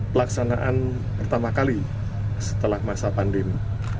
pelaksanaan pertama kali setelah masa pandemi